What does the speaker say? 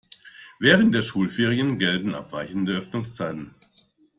Während der Schulferien gelten abweichende Öffnungszeiten.